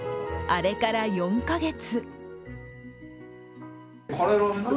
あれから４カ月。